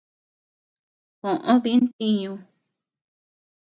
Koʼö dï ntiñu.